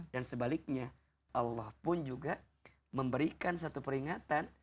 sebaliknya allah pun juga memberikan satu peringatan